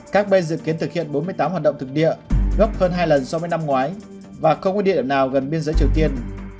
các bên dự kiến thực hiện bốn mươi tám hoạt động thực địa gấp hơn hai lần so với năm ngoái và không có địa điểm nào gần biên giới triều tiên